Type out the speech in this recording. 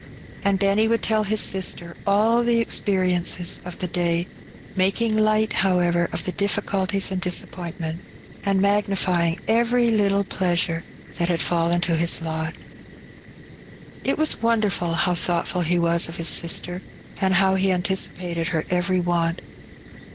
And Benny would tell his sister all the experiences of the day; making light, however, of the dij£culties and disappointment, and magnifying every little pleasure that had fallen to his lot. It was wonderful how thoughtful he was of his sister, and how he anticipated her every want.